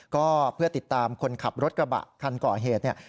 ก็เพื่อติดตามคนขับรถกระบะคันก่อเหตุเนี่ย